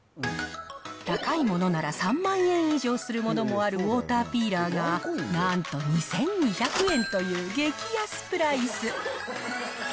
高いものなら３万円以上するものもあるウォーターピーラーが、なんと２２００円という激安プライス。